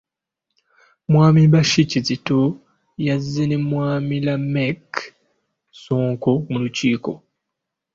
Mwami Bashir Kizito yazze ne mwami Lameck Ssonko mu lukiiko.